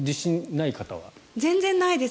全然ないです。